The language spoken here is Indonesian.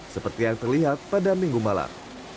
seperti yang terlihat pada minggu malam